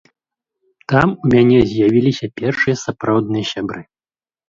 Там у мяне з'явіліся першыя сапраўдныя сябры.